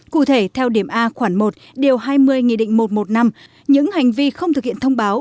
cụ thể theo điểm a khoảng một điều hai mươi nghị định một trăm một mươi năm những hành vi không thực hiện thông báo